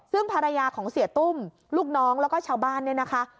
ซึ่งภรรยาของเสียตุ้มลูกน้องแล้วก็ชาวบ้านเนี่ยนะคะ